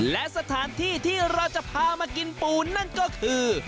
และสถานที่ที่เราจะพามากินปูนั่นก็คือ